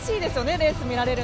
レース見られるのが。